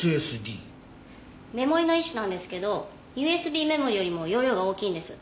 メモリーの一種なんですけどＵＳＢメモリーよりも容量が大きいんです。